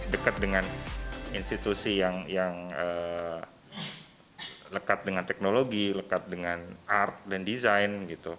dekat dengan institusi yang lekat dengan teknologi lekat dengan art dan desain